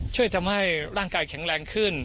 ช่วยทำให้ร่างกายแข็งแรงขึ้น